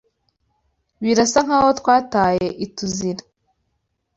Birasa nkaho twataye iTUZIra.